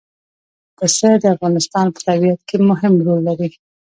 پسه د افغانستان په طبیعت کې مهم رول لري.